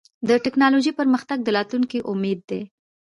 د ټکنالوجۍ پرمختګ د راتلونکي امید دی.